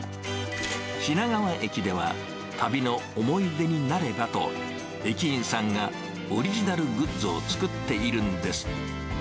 品川駅では、旅の思い出になればと、駅員さんがオリジナルグッズを作っているんです。